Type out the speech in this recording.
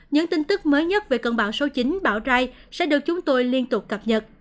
những tin tức mới nhất về cơn bão số chín bão rai sẽ được chúng tôi liên tục cập nhật